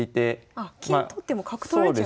あ金取っても角取られちゃうと。